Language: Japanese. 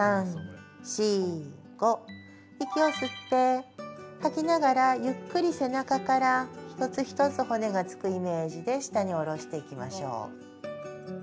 息を吸って、吐きながらゆっくり背中から一つ一つ骨がつくイメージで下に下ろしていきましょう。